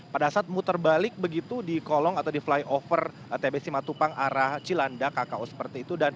pada saat muter balik begitu di kolong atau di flyover tbc matupang arah cilanda kko seperti itu